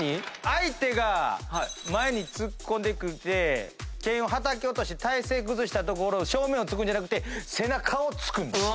相手が前に突っ込んできて剣をはたき落として体勢崩したところを正面を突くんじゃなくて背中を突くんです。